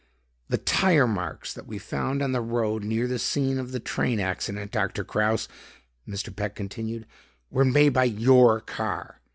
"The tire marks that we found on the road near the scene of the train accident, Doctor Kraus," Mr. Peck continued, "were made by your car.